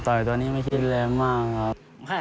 ต่อยตัวนี้ไม่คิดอะไรมากครับผม